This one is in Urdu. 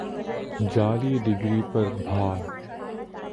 جعلی ڈگری پر بھا